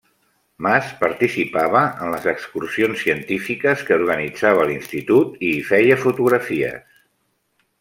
Mas participava en les excursions científiques que organitzava l'Institut i hi feia fotografies.